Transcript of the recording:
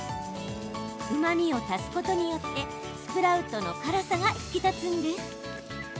うまみを足すことによってスプラウトの辛さが引き立つんです。